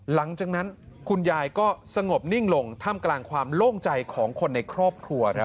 หลังจากนั้นคุณยายก็สงบนิ่งลงท่ามกลางความโล่งใจของคนในครอบครัว